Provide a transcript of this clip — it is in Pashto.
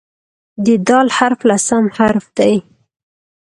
د "د" حرف لسم حرف دی.